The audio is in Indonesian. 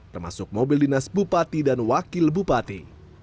termasuk mobil dinas bupati dan wakil bupati